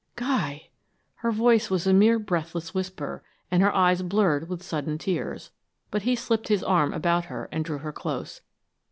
"Guy!" Her voice was a mere breathless whisper, and her eyes blurred with sudden tears, but he slipped his arm about her, and drew her close.